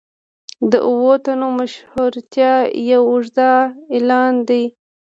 د اوو تنو مشهورتیا یو اوږده اعلان دی.